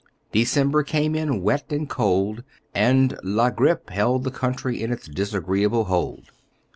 December came in wet and cold, and la grippe held the country in its disagreeable hold.